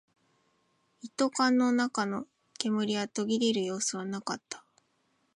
一斗缶の中の煙は途切れる様子はなかった